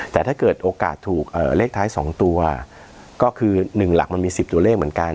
แต่ถ้าเกิดโอกาสถูกเลขท้าย๒ตัวก็คือ๑หลักมันมี๑๐ตัวเลขเหมือนกัน